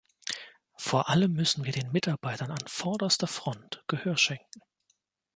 Vor allem müssen wir den Mitarbeitern an vorderster Front Gehör schenken.